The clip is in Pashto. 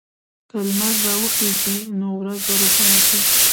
که لمر راوخېژي، نو ورځ به روښانه شي.